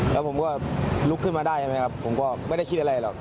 แล้วผมก็ลุกขึ้นมาได้ใช่ไหมครับผมก็ไม่ได้คิดอะไรหรอก